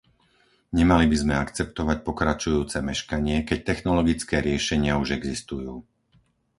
Nemali by sme akceptovať pokračujúce meškanie, keď technologické riešenia už existujú.